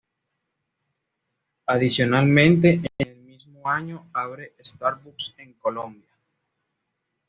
Adicionalmente en el mismo año, abre Starbucks en Colombia.